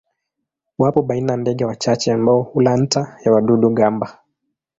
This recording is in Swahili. Wapo baina ndege wachache ambao hula nta ya wadudu-gamba.